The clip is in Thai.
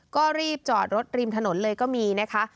ก็รีบจอดรถริมถนนเลยก็มีนะคะ